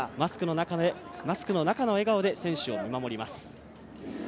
マスクの中で笑顔で選手を見守ります。